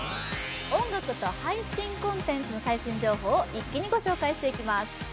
音楽と配信コンテンツの最新情報を一気にお伝えしていきます。